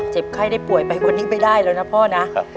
ไข้ได้ป่วยไปวันนี้ไม่ได้แล้วนะพ่อนะ